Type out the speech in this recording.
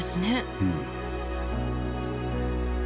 うん。